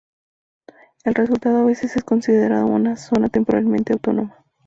El resultado a veces es considerado una zona temporalmente autónoma.